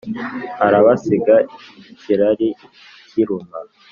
arabasiga ikirari kiruma